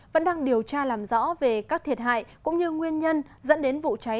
vẫn đang điều tra làm rõ về các thiệt hại cũng như nguyên nhân dẫn đến vụ cháy